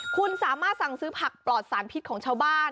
คุณสามารถสั่งซื้อผักปลอดสารพิษของชาวบ้าน